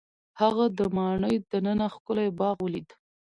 هغه د ماڼۍ دننه ښکلی باغ ولید.